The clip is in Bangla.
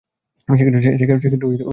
সেক্ষেত্রেও গ্যাসের ভূমিকা আছে।